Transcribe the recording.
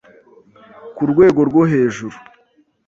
ku rwego rwo hejuru,